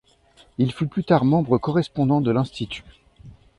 Il fut plus tard membre correspondant de l'Institut.